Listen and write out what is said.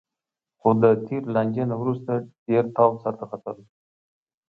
خو د تېرې لانجې نه وروسته ډېر تاو سرته ختلی